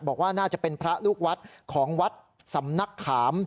บอกว่าน่าจะเป็นพระลูกวัดของวัดสำนักขาม